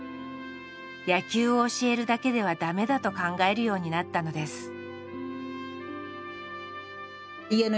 「野球を教えるだけではだめだ」と考えるようになったのです。